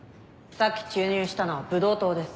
さっき注入したのはブドウ糖です。